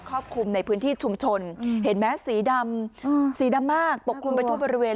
รอบคลุมในพื้นที่ชุมชนเห็นไหมสีดำสีดำมากปกคลุมไปทั่วบริเวณ